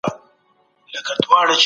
هغه د پاچا دندو ته اشاره وکړه.